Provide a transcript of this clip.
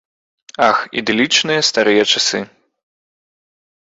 Ах, ідылічныя старыя часы!